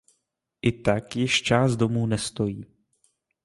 I tak již část domů nestojí.